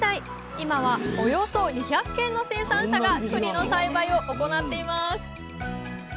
今はおよそ２００軒の生産者がくりの栽培を行っています。